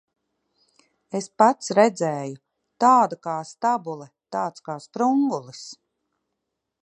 Es pats redzēju. Tāda kā stabule, tāds kā sprungulis.